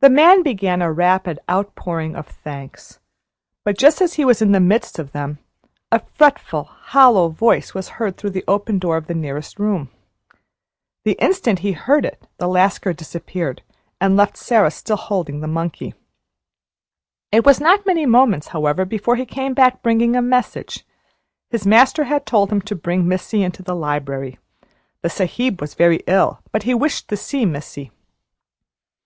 The man began a rapid outpouring of thanks; but, just as he was in the midst of them, a fretful, hollow voice was heard through the open door of the nearest room. The instant he heard it the Lascar disappeared, and left Sara still holding the monkey. It was not many moments, however, before he came back bringing a message. His master had told him to bring Missy into the library. The Sahib was very ill, but he wished to see Missy.